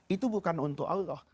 itu bukan untuk allah